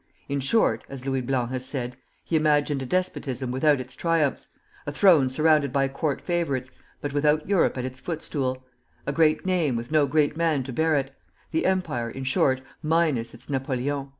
"In short," as Louis Blanc has said, "he imagined a despotism without its triumphs; a throne surrounded by court favorites, but without Europe at its footstool; a great name, with no great man to bear it, the Empire, in short, minus its Napoleon!"